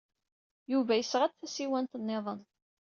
Yuba yesɣa-d tasiwant niḍen.